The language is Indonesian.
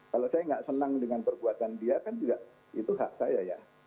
kalau saya nggak senang dengan perbuatan dia kan juga itu hak saya ya